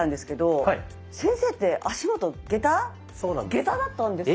下駄だったんですよ。